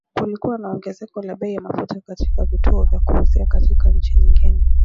Kulikuwa na ongezeko la bei ya mafuta katika vituo vya kuuzia katika nchi nyingine